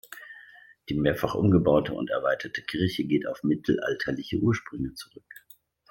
Die mehrfach umgebaute und erweiterte Kirche geht auf mittelalterliche Ursprünge zurück.